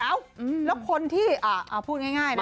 อ้าวแล้วคนที่อ้าวพูดง่ายนะ